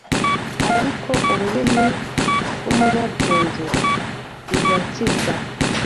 ariko ururimi rw’umunyabwenge rurakiza.